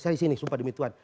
saya disini sumpah demi tuhan